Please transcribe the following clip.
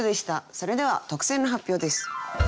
それでは特選の発表です。